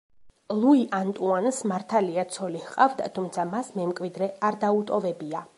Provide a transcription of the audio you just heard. ლუი ანტუანს მართალია ცოლი ჰყავდა, თუმცა მას მემკვიდრე არ დაუტოვებია.